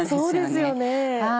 そうですよね。